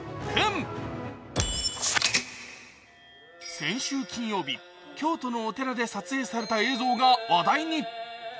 先週金曜日、京都のお寺で撮影された映像が話題に。